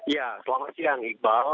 ya selamat siang iqbal